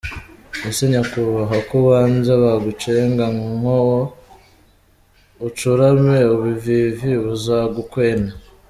Ese Nyakubahwa ko ubanza bagucenga ngo ucurame ubuvivi buzagukwene?